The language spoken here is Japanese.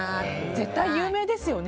絶対、有名ですよね。